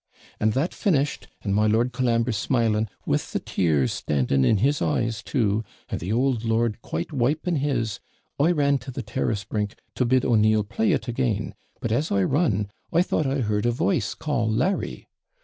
And that finished, and my Lord Colambre smiling, with the tears standing in his eyes too, and the OULD lord quite wiping his, I ran to the TIRrass brink to bid O'Neill play it again; but as I run, I thought I heard a voice call Larry.